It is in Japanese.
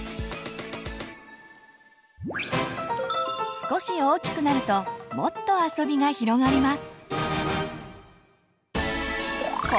少し大きくなるともっとあそびが広がります！